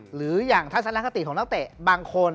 หรืออย่างทัศนคติของนักเตะบางคน